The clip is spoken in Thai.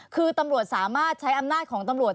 คือตำรวจสามารถใช้อำนาจของตำรวจ